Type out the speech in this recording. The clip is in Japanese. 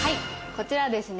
こちらですね